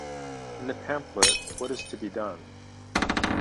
In the pamphlet What is to be Done?